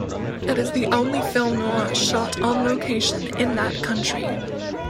It is the only film noir shot on location in that country.